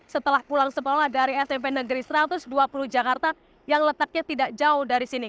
setelah pulang sekolah dari smp negeri satu ratus dua puluh jakarta yang letaknya tidak jauh dari sini